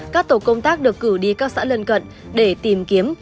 các tổ công tác được cử đi các xã lân cận để tìm kiếm